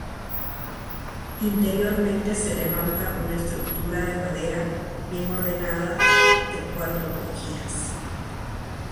Interiormente se levanta una estructura de madera bien ordenada de cuatro crujías.